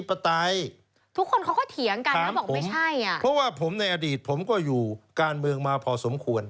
เพราะว่าในอดีตผมก็อยู่การเมืองมาพอสมควร